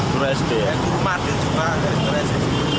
guru sd ya guru matil juga dari sd